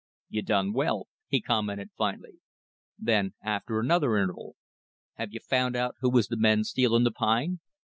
"You done well," he commented finally. Then after another interval: "Have you found out who was the men stealin' the pine?"